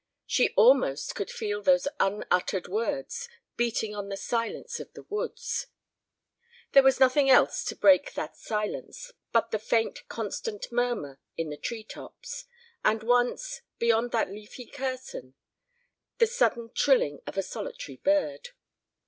She almost could feel those unuttered words beating on the silence of the woods. There was nothing else to break that silence but the faint constant murmur in the tree tops, and once, beyond that leafy curtain, the sudden trilling of a solitary bird.